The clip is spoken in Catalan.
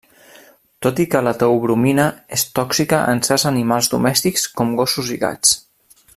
Tot i que la teobromina és tòxica en certs animals domèstics com gossos i gats.